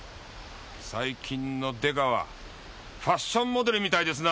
最近のデカはファッションモデルみたいですな！？